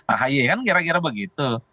ahy kan kira kira begitu